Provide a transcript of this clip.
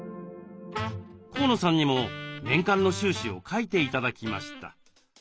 河野さんにも年間の収支を書いて頂きました。